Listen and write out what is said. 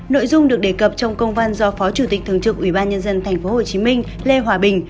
nội dung được đề cập trong công văn do phó chủ tịch thường trực ủy ban nhân dân tp hcm lê hòa bình